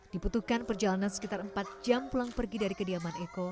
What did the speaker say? diputuhkan perjalanan sekitar empat jam pulang pergi dari kediaman eko